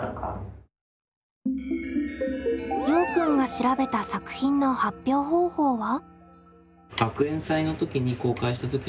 ようくんが調べた作品の発表方法は？